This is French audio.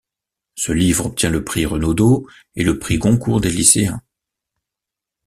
Ce livre obtient le Prix Renaudot et le Prix Goncourt des lycéens.